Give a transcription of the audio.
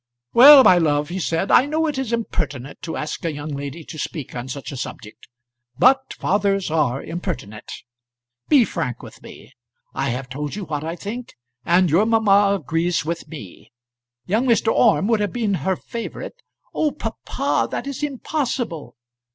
"Well, my love," he said, "I know it is impertinent to ask a young lady to speak on such a subject; but fathers are impertinent. Be frank with me. I have told you what I think, and your mamma agrees with me. Young Mr. Orme would have been her favourite " "Oh, papa, that is impossible."